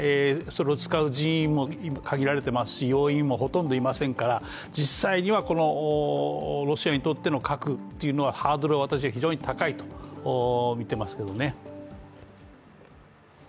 それを使う人員も限られていますし、要員もほとんどいませんから実際にはロシアにとっての核というのはハードルは私は非常に高いとみています。